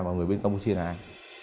và người bên campuchia là ai